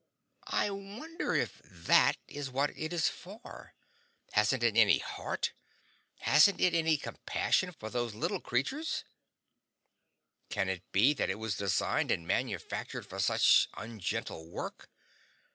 I wonder if THAT is what it is for? Hasn't it any heart? Hasn't it any compassion for those little creature? Can it be that it was designed and manufactured for such ungentle work?